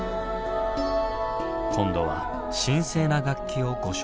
今度は神聖な楽器をご紹介しましょう。